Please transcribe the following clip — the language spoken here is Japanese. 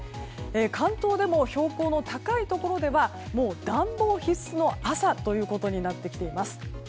関東でも標高の高いところではもう暖房必須の朝ということになってきています。